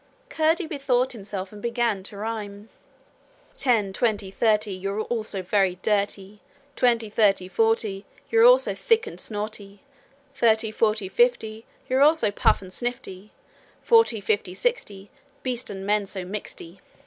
Curdie bethought himself and began to rhyme. 'Ten, twenty, thirty You're all so very dirty! Twenty, thirty, forty You're all so thick and snorty! 'Thirty, forty, fifty You're all so puff and snifty! Forty, fifty, sixty Beast and man so mixty!